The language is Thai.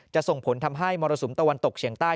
ส่งผลทำให้มรสุมตะวันตกเฉียงใต้